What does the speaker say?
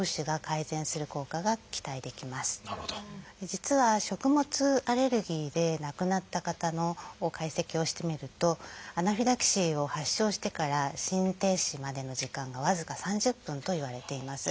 実は食物アレルギーで亡くなった方の解析をしてみるとアナフィラキシーを発症してから心停止までの時間が僅か３０分といわれています。